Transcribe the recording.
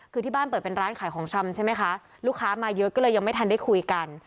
คือที่บ้านเปิดเป็นร้านขายของชำใช่ไหมคะลูกค้ามาเยอะก็เลยยังไม่ทันได้คุยกัน